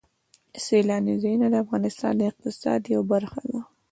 سیلاني ځایونه د افغانستان د اقتصاد یوه برخه ده.